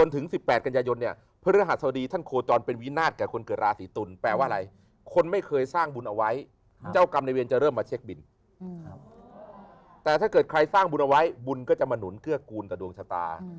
แต่ถ้าเกิดใครสร้างบุญเอาไว้บุญก็จะมาหนุนเกื้อกูลต่อดวงชะตา